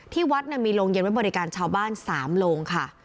ที่วัดมีโรงเย็นไว้บริการชาวบ้าน๓โรงค่ะ